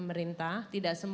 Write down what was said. terima kasih dokter